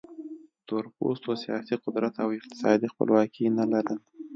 تور پوستو سیاسي قدرت او اقتصادي خپلواکي نه لرل.